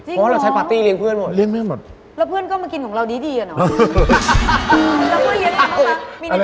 เพราะว่าเราใช้ปาร์ตี้เลี้ยเพื่อนเลี้ยงแม่หมดแล้วเพื่อนก็มากินของเราดีอ่ะเนอะ